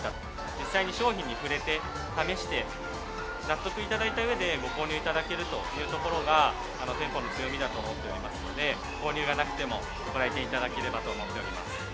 実際に商品に触れて、試して、納得いただいたうえで、ご購入いただけるというところが、店舗の強みだと思っておりますので、購入がなくても、ご来店いただければと思っております。